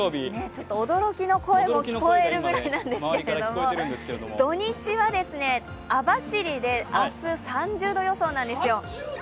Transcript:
ちょっと驚きの声も聞こえるぐらいなんですけども、土日は網走で明日、３０度予想なんですよ。